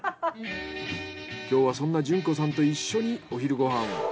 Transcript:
今日はそんな潤子さんと一緒にお昼ご飯。